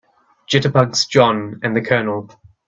Jitterbugs JOHN and the COLONEL.